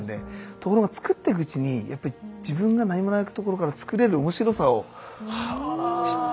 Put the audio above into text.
ところが作っていくうちにやっぱり自分が何もないところから作れる面白さを知ってくるわけですよ。